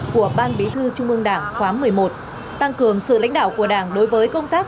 của ban bí thư trung ương đảng khóa một mươi một tăng cường sự lãnh đạo của đảng đối với công tác